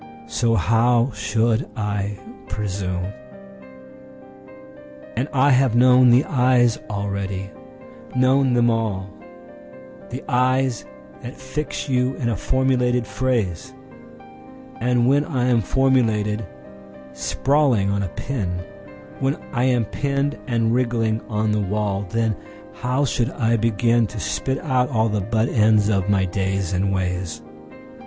So how should I presume? And I have known the eyes already, known them all—The eyes that fix you in a formulated phrase, And when I am formulated, sprawling on a pin, When I am pinned and wriggling on the wall, Then how should I beginTo spit out all the butt ends of my days and ways?